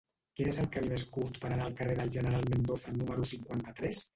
Quin és el camí més curt per anar al carrer del General Mendoza número cinquanta-tres?